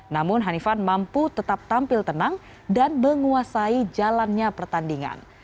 namun hanifan mampu tetap tampil tenang dan menguasai jalannya pertandingan